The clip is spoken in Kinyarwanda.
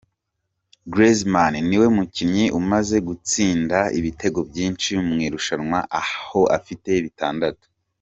Griezman niwe mukinnyi umaze gutsinda ibitego byinshi mu irushanwa aho afite bitandatu.